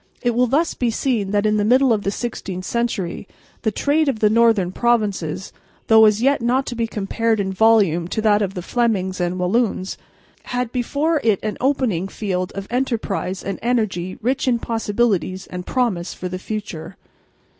It will thus be seen that in the middle of the sixteenth century the trade of the northern provinces, though as yet not to be compared in volume to that of the Flemings and Walloons, had before it an opening field for enterprise and energy rich in possibilities and promise for the future.